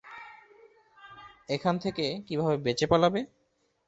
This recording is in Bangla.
এখান থেকে কীভাবে বেঁচে পালাবে?